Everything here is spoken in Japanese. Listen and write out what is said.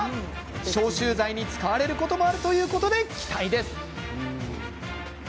消臭剤に使われることもあるということで期待です。